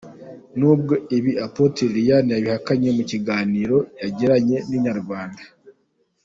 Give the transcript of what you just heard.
N’ubwo ibi Apotre Liliane yabihakanye mu kiganiro yagiranye na Inyarwanda.